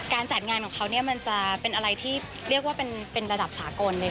จัดงานของเขาเนี่ยมันจะเป็นอะไรที่เรียกว่าเป็นระดับสากลเลย